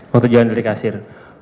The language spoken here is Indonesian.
waktu jalan dari kasir